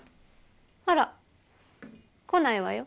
あら。来ないわよ。